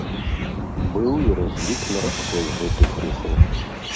Быў і разлік на раскол гэтых рухаў.